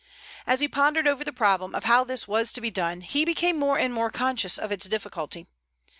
As he pondered over the problem of how this was to be done he became more and more conscious of its difficulty.